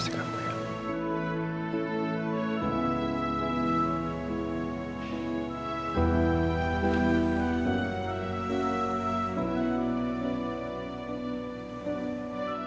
kenapa kamu dicabar